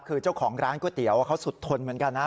คือเจ้าของร้านก๋วยเตี๋ยวเขาสุดทนเหมือนกันนะ